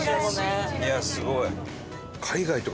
いやすごい！